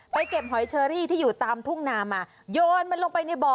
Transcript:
เก็บหอยเชอรี่ที่อยู่ตามทุ่งนามาโยนมันลงไปในบ่อ